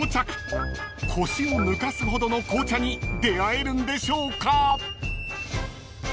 ［腰を抜かすほどの紅茶に出合えるんでしょうか］